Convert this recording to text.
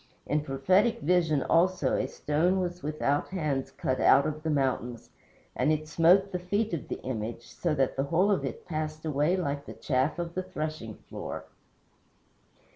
In prophetic vision, also, a stone was without hands cut out of the mountains, and it smote the feet of the image, so that the whole of it passed away like the chaff of the threshing floor.